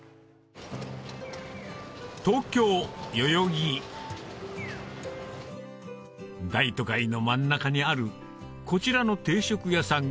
東京・代々木大都会の真ん中にあるこちらの定食屋さん